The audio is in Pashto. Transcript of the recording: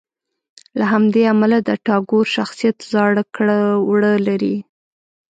له همدې امله د ټاګور شخصیت زاړه کړه وړه لري.